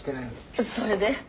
それで？